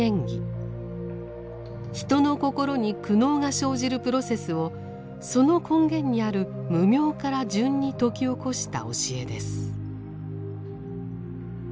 人の心に苦悩が生じるプロセスをその根源にある「無明」から順に説き起こした教えです。